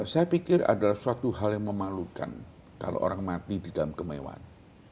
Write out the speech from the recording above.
saya pikir adalah suatu hal yang memalukan kalau orang mati di dalam kemewahan